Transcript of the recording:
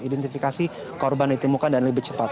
identifikasi korban ditemukan dan lebih cepat